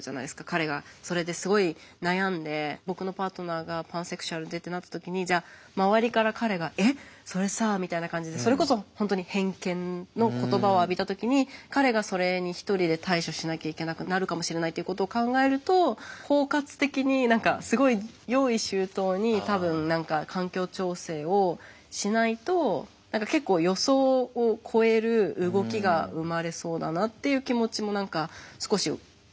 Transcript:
彼がそれですごい悩んで僕のパートナーがパンセクシュアルでってなった時にじゃあ周りから彼がえっそれさみたいな感じでそれこそ本当に偏見の言葉を浴びた時に彼がそれに一人で対処しなきゃいけなくなるかもしれないっていうことを考えると包括的に何か何か結構だなっていう気持ちも何か少し思い浮かんだんですけど。